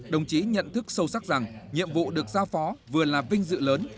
đồng chí nhận thức sâu sắc rằng nhiệm vụ được giao phó vừa là vinh dự lớn